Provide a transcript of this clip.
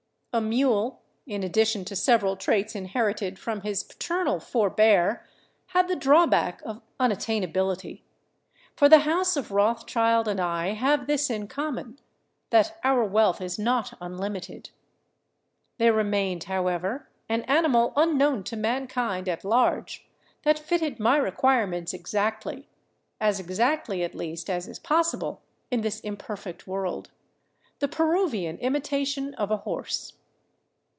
A mule, in addition to several traits inherited from his paternal fore bear, had the drawback of unattainability ; for the house of Rothchild and I have this in common — that our wealth is not unlimited. There remained, however, an animal unknown to mankind at large that fitted my requirements exactly, as exactly at least as is possible in this im perfect world, — the Peruvian imitation of a horse.